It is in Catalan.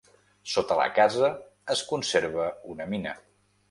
Sota la casa es conserva una mina.